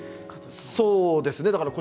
そうですね。